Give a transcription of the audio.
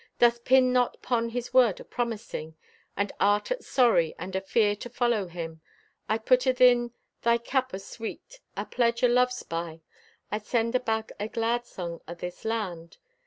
Dost pin not 'pon His word o' promising, And art at sorry and afear to follow Him? I'd put athin thy cup a sweet, a pledge o' love's buy. I'd send aback a glad song o' this land.